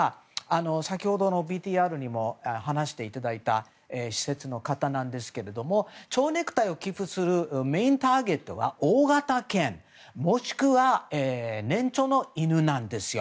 先ほどのＶＴＲでも話していただいた施設の方なんですが蝶ネクタイを寄付するメインターゲットは大型犬、もしくは年長の犬なんですよ。